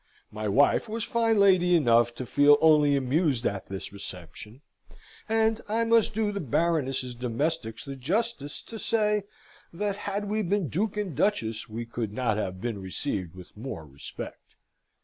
My wife was fine lady enough to feel only amused at this reception; and, I must do the Baroness's domestics the justice to say that, had we been duke and duchess, we could not have been received with more respect.